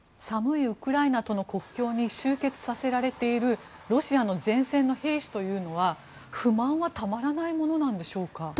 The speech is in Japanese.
寒いウクライナとの国境に集結させられているロシアの前線の兵士というのは不満はたまらないものなんでしょうか。